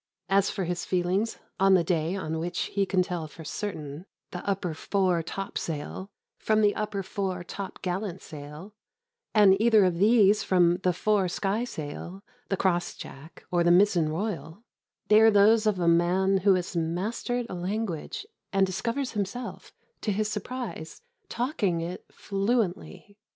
As for his feelings on the day on which he can tell for certain the upper fore topsail from the upper fore top gallant sail, and either of these from the fore skysail, the crossjack, or the mizzen royal, they are those of a man who has mastered a language and discovers himself, to his surprise, talking it fluently.